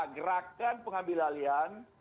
gerakan pengambil alian